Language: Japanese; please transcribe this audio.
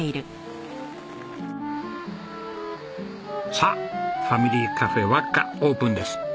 さあファミリーカフェわっかオープンです。